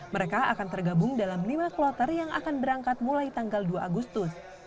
mereka akan tergabung dalam lima kloter yang akan berangkat mulai tanggal dua agustus